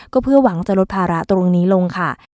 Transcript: ก็เพื่อหวังจะลดภาระตรงนี้ลงค่ะ